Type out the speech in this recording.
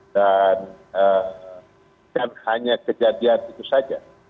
dan bukan hanya kejadian itu saja